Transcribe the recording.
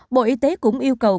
bộ y tế cũng yêu cầu các điều trị